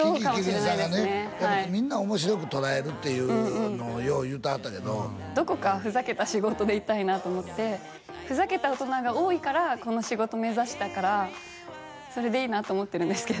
みんな面白く捉えるっていうのをよう言うてはったけどどこかふざけた仕事でいたいなと思ってふざけた大人が多いからこの仕事目指したからそれでいいなと思ってるんですけど